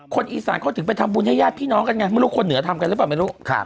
คนอีสานเขาถึงไปทำบุญให้ญาติพี่น้องกันไงไม่รู้คนเหนือทำกันหรือเปล่าไม่รู้